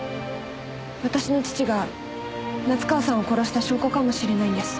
私の父が夏河さんを殺した証拠かもしれないんです。